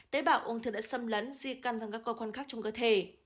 tế bảo ung thư đã xâm lấn di căn trong các cơ quan khác trong cơ thể